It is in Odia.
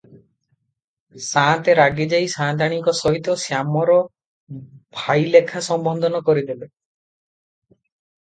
ସାଆନ୍ତେ ରାଗିଯାଇ ସାଆନ୍ତାଣୀଙ୍କ ସହିତ ଶ୍ୟାମର ଭାଇଲେଖା ସମ୍ବୋଧନ କରି କହିଲେ